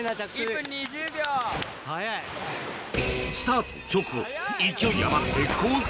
スタート直後勢い余ってコース